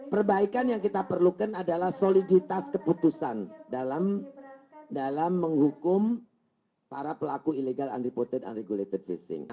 perbaikan yang kita perlukan adalah soliditas keputusan dalam menghukum para pelaku illegal unreported and regulated fishing